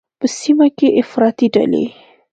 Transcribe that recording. په سیمه کې افراطي ډلې